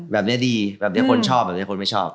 แบบนี้ดีแบบนี้คนชอบแบบนี้คนไม่ชอบ